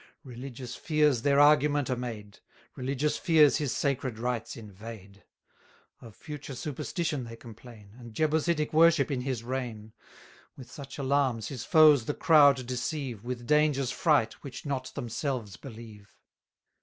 Religious fears their argument are made Religious fears his sacred rights invade! 650 Of future superstition they complain, And Jebusitic worship in his reign: With such alarms his foes the crowd deceive, With dangers fright, which not themselves believe.